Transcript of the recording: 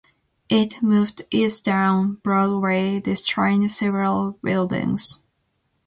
It moved east down Broadway, destroying several buildings.